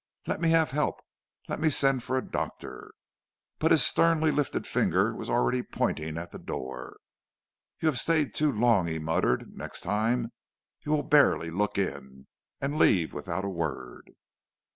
Let me have help, let me send for a doctor ' "But his sternly lifted finger was already pointing at the door. "'You have stayed too long,' he muttered. 'Next time you will barely look in, and leave without a word.'